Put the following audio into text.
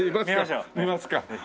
見ますか。